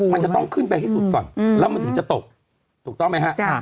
มันจะต้องขึ้นไปให้สุดก่อนแล้วมันถึงจะตกถูกต้องไหมฮะ